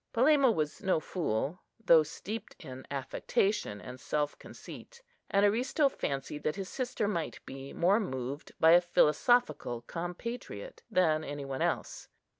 Polemo was no fool, though steeped in affectation and self conceit, and Aristo fancied that his sister might be more moved by a philosophical compatriot than any one else.